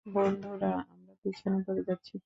বন্ধুরা, আমরা পেছনে পড়ে যাচ্ছি।